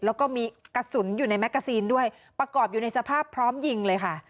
แล้วก็มีกระสุนอยู่ในแมกกาซีนด้วยประกอบอยู่ในสภาพพร้อมยิงเลยค่ะ